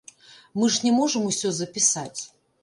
Мы ж не можам усё запісаць.